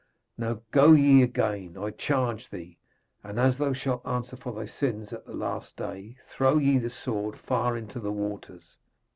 Now go ye again, I charge thee, and as thou shalt answer for thy sins at the last day, throw ye the sword far into the waters.'